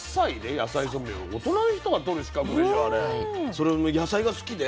それを野菜が好きで？